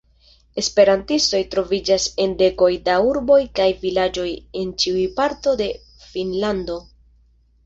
Esperantistoj troviĝas en dekoj da urboj kaj vilaĝoj en ĉiuj partoj de Finnlando.